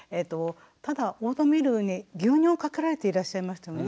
ただオートミールに牛乳をかけられていらっしゃいましたよね。